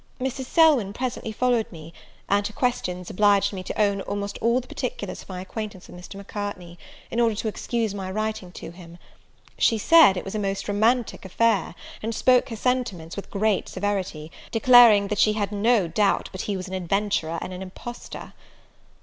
Mrs. Selwyn presently followed me; and her questions obliged me to own almost all the particulars of my acquaintance with Mr. Macartney, in order to excuse my writing to him. She said it was a most romantic affair, and spoke her sentiments with great severity; declaring that she had no doubt but he was an adventurer and an impostor.